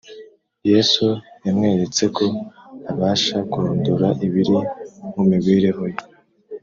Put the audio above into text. Yesu yamweretse ko abasha kurondora ibiri mu mibereho ye